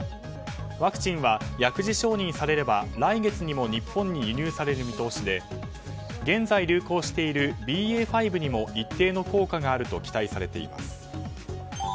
ワクチンは薬事承認されれば来月にも日本に輸入される見通しで現在流行しているＢＡ．５にも一定の効果があると期待されています。